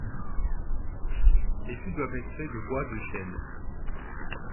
Les fûts doivent être faits de bois de chêne.